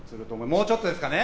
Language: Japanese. もうちょっとですかね。